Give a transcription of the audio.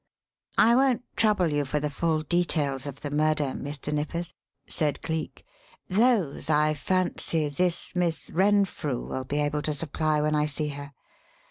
"I won't trouble you for the full details of the murder, Mr. Nippers," said Cleek. "Those, I fancy, this Miss Renfrew will be able to supply when I see her.